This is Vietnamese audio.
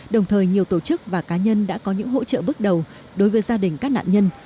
đồng thời nhiều tổ chức và cá nhân đã có những hỗ trợ bước đầu đối với gia đình các nạn nhân